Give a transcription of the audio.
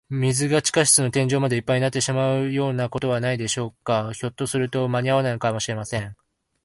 水が地下室の天井までいっぱいになってしまうようなことはないでしょうか。ひょっとすると、まにあわないかもしれません。